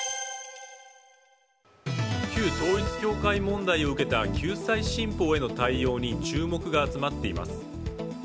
旧統一教会問題を受けた救済新法への対応に注目が集まっています。